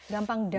gampang juga ya